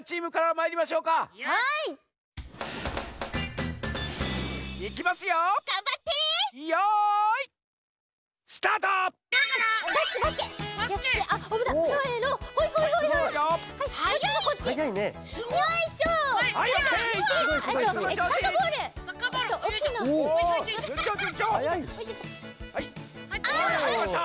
はいりました！